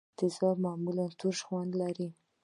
تیزاب معمولا ترش خوند لري.